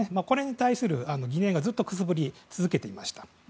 これに対する疑念がずっとくすぶり続けてきました。